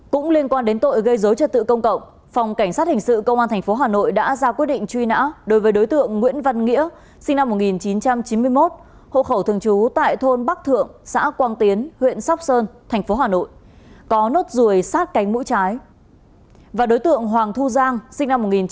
cũng liên quan đến tội gây dối trật tự công cộng phòng cảnh sát hình sự công an tp hà nội đã ra quyết định truy nã đối với đối tượng nguyễn văn nghĩa sinh năm một nghìn chín trăm chín mươi bảy hộ khẩu thường trú tại thôn bắc thượng xã quang tiến huyện sóc sơn tp hà nội có nốt rùi sát cánh mũi trái